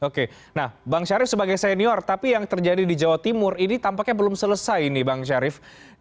oke nah bang syarif sebagai senior tapi yang terjadi di jawa timur ini tampaknya belum selesai ini bang syarif